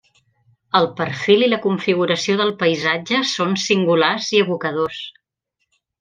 El perfil i la configuració del paisatge són singulars i evocadors.